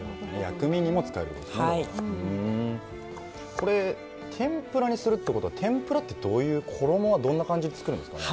これ天ぷらにするってことは天ぷらってどういう衣はどんな感じで作るんですかね。